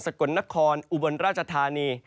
กลนครอุบลราชธานี